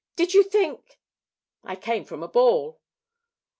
"Did you think " "I came from a ball.